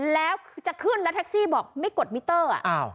แล้วจะขึ้นแล้วแท็กซี่บอกไม่กดมิเตอร์อ่ะอ้าว